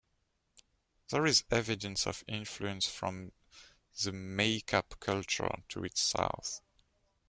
There is evidence of influence from the Maykop culture to its south.